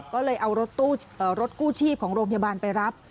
ก็เลยเอารถกู้ชีพของโรงพยาบาลไปรับ